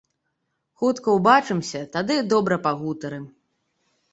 Хутка ўбачымся, тады добра пагутарым.